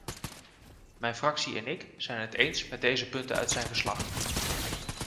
Mijn fractie en ik zijn het eens met deze punten uit zijn verslag.